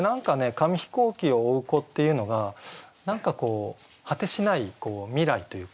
「紙飛行機を追ふ子」っていうのが何かこう果てしない未来というか。